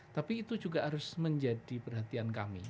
tapi itu juga harus menjadi perhatian kami